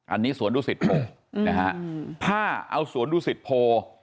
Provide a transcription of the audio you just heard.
อันนี้สวนดุสิตโพนะฮะถ้าเอาสวนดุสิตโพ